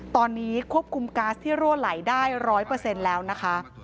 ตอนนี้ควบคุมก๊าซที่รั่วไหลได้๑๐๐แล้วนะคะ